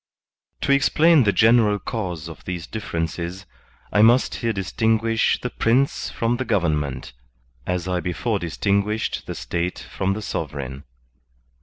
To EXPLAIN the general cause of these differences, I must here distinguish the Prince from the government, as I before distinguished the State from the sovereign.